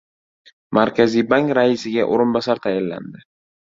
Markaziy bank raisiga o‘rinbosar tayinlandi